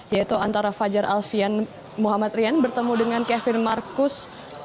yaitu antara fajar alfian muhammad rian bertemu dengan kevin marcus